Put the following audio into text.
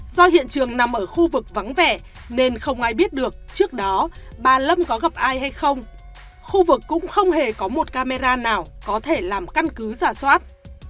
do hiện trường nằm ở khu vực vắng vẻ nên không ai biết được trước đó bà lâm có gặp ai hay không khu vực cũng không hề có một camera nào có thể làm căn cứ giả soát